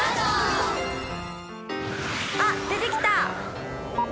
あっ出てきた！